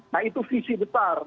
nah itu visi besar